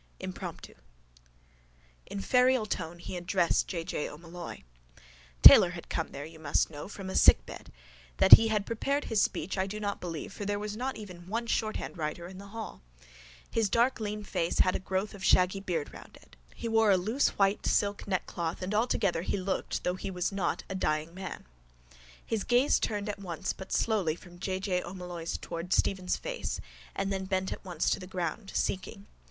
IMPROMPTU In ferial tone he addressed J. J. O'Molloy: —Taylor had come there, you must know, from a sickbed. That he had prepared his speech I do not believe for there was not even one shorthandwriter in the hall. His dark lean face had a growth of shaggy beard round it. He wore a loose white silk neckcloth and altogether he looked (though he was not) a dying man. His gaze turned at once but slowly from J. J. O'Molloy's towards Stephen's face and then bent at once to the ground, seeking.